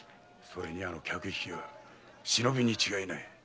それにあの客引きは「忍び」に違いない。